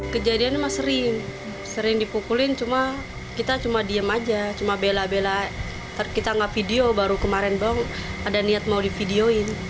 kejadiannya sering sering dipukulin kita cuma diem aja cuma bela bela kita gak video baru kemarin bang ada niat mau di videoin